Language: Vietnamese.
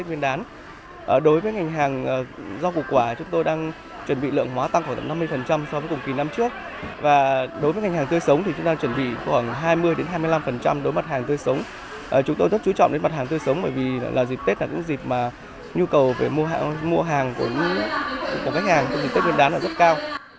bởi vì là dịp tết là những dịp mà nhu cầu về mua hàng của khách hàng dịp tết nguyên đán là rất cao